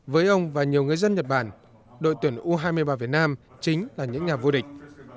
với ông và nhiều người dân nhật bản đội tuyển u hai mươi ba việt nam chính là những nhà vô địch